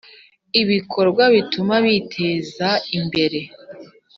ibikorwa bituma biteza imbere